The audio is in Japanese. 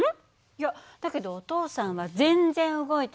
いやだけどお父さんは全然動いてない。